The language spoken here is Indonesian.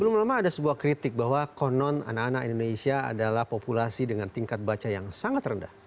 belum lama ada sebuah kritik bahwa konon anak anak indonesia adalah populasi dengan tingkat baca yang sangat rendah